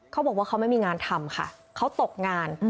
เขาบอกว่าเขาไม่มีงานทำค่ะเขาตกงาน